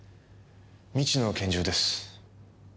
未知の拳銃です。